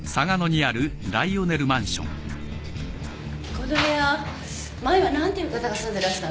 この部屋前は何ていう方が住んでらしたんですか？